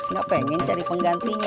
gak pengen cari penggantinya